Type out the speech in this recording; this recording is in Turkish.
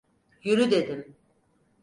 Yürü dedim!